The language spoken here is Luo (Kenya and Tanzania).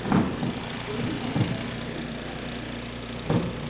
Dhi nind e kom mondo iyue matin